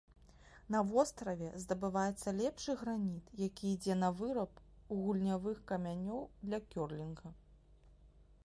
На востраве здабываецца лепшы граніт, які ідзе на выраб гульнявых камянёў для кёрлінга.